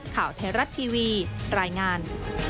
ข่าวไทยรัฐทีวีรายงาน